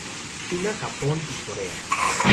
China, Japón y Corea.